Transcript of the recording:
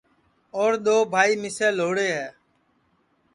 اور دؔؔوبھائی مِسے لھوڑے ہے